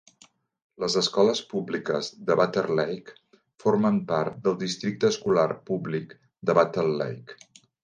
Les escoles públiques de Battle Lake formen part del districte escolar públic de Battle Lake.